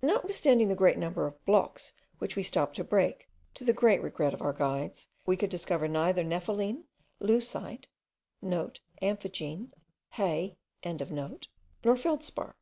Notwithstanding the great number of blocks, which we stopped to break, to the great regret of our guides, we could discover neither nepheline, leucite,* (* Amphigene. Hauy.) nor feldspar.